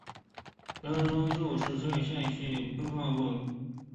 氙同位素的相对比例对研究太阳系早期历史有重要的作用。